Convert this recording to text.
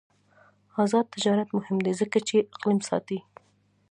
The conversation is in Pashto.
آزاد تجارت مهم دی ځکه چې اقلیم ساتي.